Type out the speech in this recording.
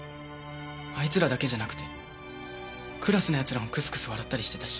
あいつらだけじゃなくてクラスの奴らもクスクス笑ったりしてたし。